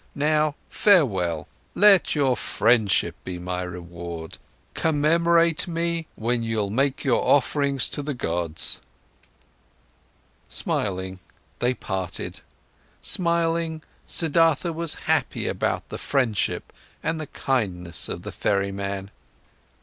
Now farewell! Let your friendship be my reward. Commemorate me, when you'll make offerings to the gods." Smiling, they parted. Smiling, Siddhartha was happy about the friendship and the kindness of the ferryman.